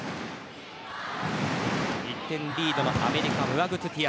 １点リードのアメリカはムアグトゥティア。